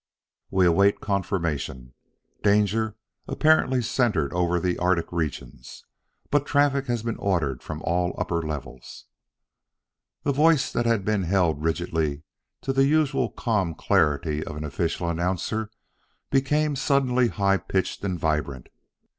"We await confirmation. Danger apparently centered over arctic regions, but traffic has been ordered from all upper levels " The voice that had been held rigidly to the usual calm clarity of an official announcer became suddenly high pitched and vibrant.